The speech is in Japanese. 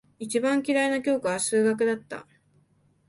一番嫌いな教科は数学だった。